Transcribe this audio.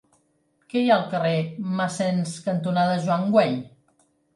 Què hi ha al carrer Massens cantonada Joan Güell?